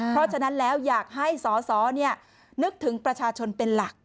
เพราะฉะนั้นแล้วอยากให้สสนึกถึงประชาชนเป็นหลัก